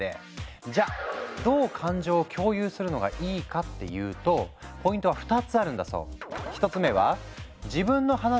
じゃどう感情を共有するのがいいかっていうとポイントは２つあるんだそう。